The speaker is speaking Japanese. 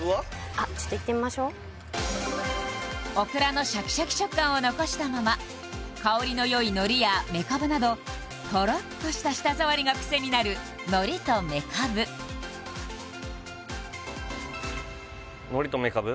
あっちょっといってみましょうオクラのシャキシャキ食感を残したまま香りのよい海苔やめかぶなどとろっとした舌触りがクセになる海苔とめかぶ海苔とめかぶ？